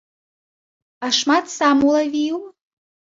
А шмат сам улавіў?